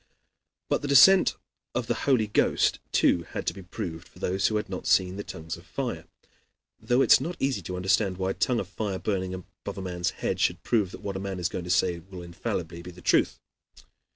But the descent of the Holy Ghost too had to be proved for those who had not seen the tongues of fire (though it is not easy to understand why a tongue of fire burning above a man's head should prove that what that man is going to say will be infallibly the truth).